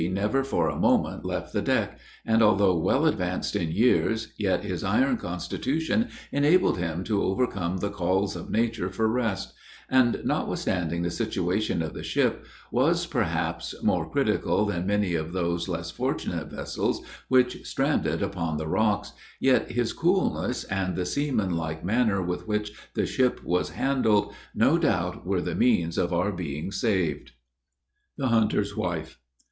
never for one moment left the deck; and although well advanced in years, yet his iron constitution enabled him to overcome the calls of nature for rest; and, notwithstanding the situation of the ship, was, perhaps more critical than many of those less fortunate vessels which stranded upon the rocks, yet his coolness, and the seaman like manner with which the ship was handled, no doubt were the means of our being saved. THE HUNTER'S WIFE.